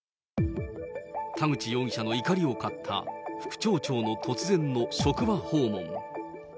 田口容疑者の怒りを買った、副町長の突然の職場訪問。